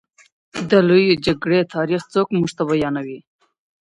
د لویې جرګي تاریخ څوک موږ ته بیانوي؟